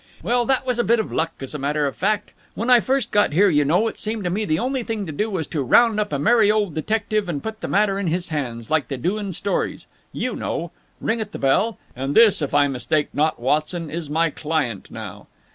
"Well, that was a bit of luck, as a matter of fact. When I first got here, you know, it seemed to me the only thing to do was to round up a merry old detective and put the matter in his hands, like they do in stories. You know. Ring at the bell. 'And this, if I mistake not, Watson, is my client now.'